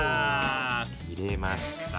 切れました。